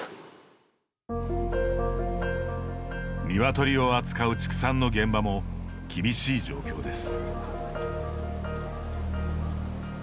鶏を扱う畜産の現場も厳しい状況です。